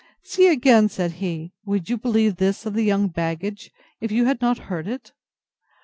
See again! said he; could you believe this of the young baggage, if you had not heard it?